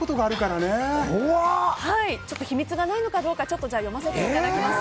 秘密がないのかどうか読ませていただきます。